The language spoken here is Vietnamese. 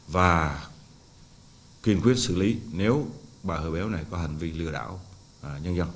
và kiên quyết xử lý nếu bà herbel có hành vi lừa đảo nhân dân